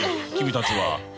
君たちは！